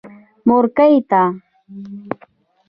مورکۍ تا.